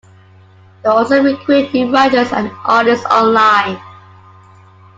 They also recruit new writers and artists online.